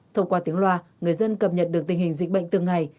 thông qua tiếng loa người dân cập nhật được tình hình dịch bệnh từng ngày